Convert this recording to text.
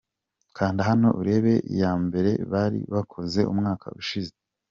Kanda hano urebe iya mbere bari bakoze umwaka ushize .